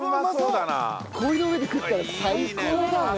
氷の上で食ったら最高だよね。